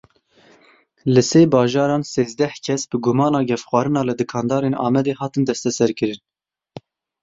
Li sê bajaran sêzdeh kes bi gumana gefxwarina li dikandarên Amedê hatin destserkirin.